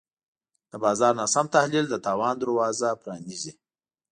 د بازار ناسم تحلیل د تاوان دروازه پرانیزي.